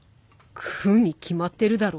食うに決まってるだろ。